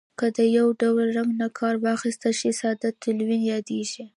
که د یو ډول رنګ نه کار واخیستل شي ساده تلوین یادیږي.